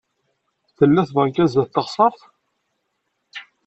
Tella tbanka sdat teɣsert?